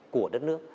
của đất nước